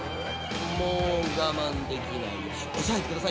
もう我慢できないよ。